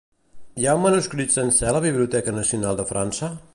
Hi ha un manuscrit sencer a la Biblioteca Nacional de França?